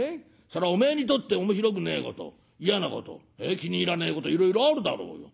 そらおめえにとって面白くねえこと嫌なこと気に入らねえこといろいろあるだろうよ。